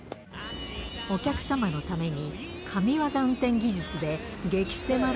お客様のために、神業運転技術で激せま